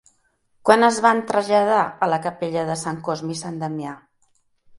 Quan es van traslladar a la capella de Sant Cosme i Sant Damià?